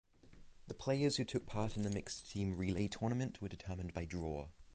The players who took part the mixed team relay tournament were determined by draw.